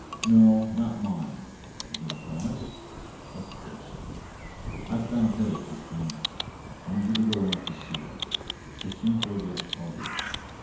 "No, not mine. Is it a promise?" "Of course." "I've found Tillie, Christine. I want you to go out to see her." Christine's red lips parted.